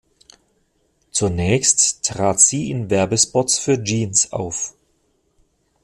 Zunächst trat sie in Werbespots für Jeans auf.